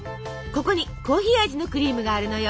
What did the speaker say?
ここにコーヒー味のクリームがあるのよ。